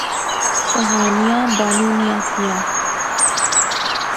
کہانیاں بانونیاں سیاں